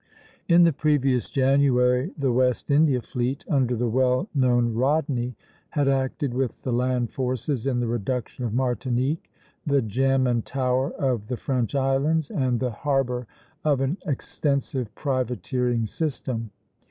In the previous January, the West India fleet, under the well known Rodney, had acted with the land forces in the reduction of Martinique, the gem and tower of the French islands and the harbor of an extensive privateering system.